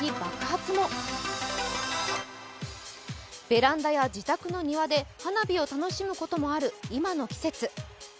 ベランダや自宅の庭で花火を楽しむこともある今の季節。